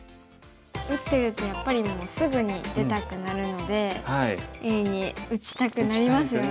打ってるとやっぱりもうすぐに出たくなるのでＡに打ちたくなりますよね。